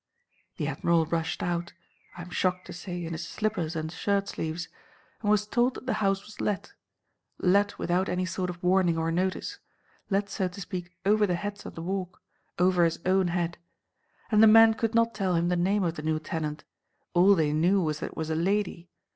The Admiral rushed out—I am shocked to say, in his slippers and shirt sleeves—and was told that the house was let; let, without any sort of warning or notice; let, so to speak, over the heads of the Walk; over his own head. And the men could not tell him the name of the new tenant. All they knew was that it was a lady.